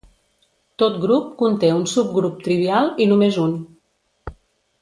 Tot grup conté un subgrup trivial i només un.